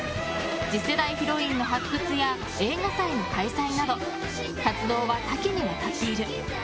次世代ヒロインの発掘や映画祭の開催など活動は多岐にわたっている。